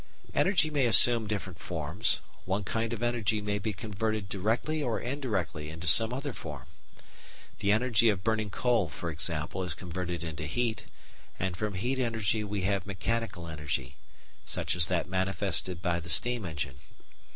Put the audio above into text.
Energy may assume different forms; one kind of energy may be converted directly or indirectly into some other form. The energy of burning coal, for example, is converted into heat, and from heat energy we have mechanical energy, such as that manifested by the steam engine.